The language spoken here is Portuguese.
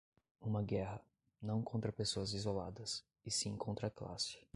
uma guerra, não contra pessoas isoladas, e sim contra a classe